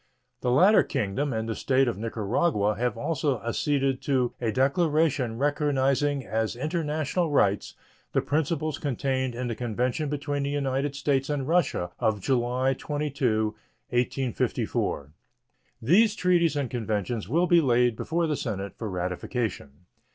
The latter Kingdom and the State of Nicaragua have also acceded to a declaration recognizing as international rights the principles contained in the convention between the United States and Russia of July 22, 1854. These treaties and conventions will be laid before the Senate for ratification.